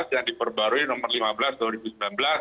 yang diperbarui nomor lima belas tahun dua ribu sembilan belas